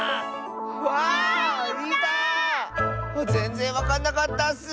あっぜんぜんわかんなかったッス。